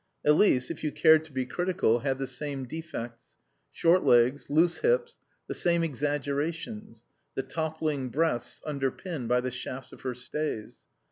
Elise, if you cared to be critical, had the same defects: short legs, loose hips; the same exaggerations: the toppling breasts underpinned by the shafts of her stays.